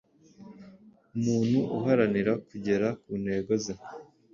umuntu uharanira kugera ku ntego ze,